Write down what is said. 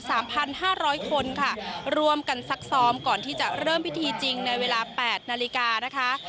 สามพันห้าร้อยคนค่ะร่วมกันซักซ้อมก่อนที่จะเริ่มพิธีจริงในเวลาแปดนาฬิกานะคะ